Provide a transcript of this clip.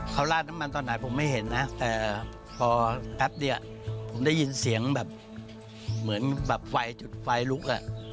เขาลาดน้ำมันตอนไหนผมไม่เห็นนะแต่พอแป๊บเดียวผมได้ยินเสียงแบบเหมือนแบบไฟจุดไฟลุก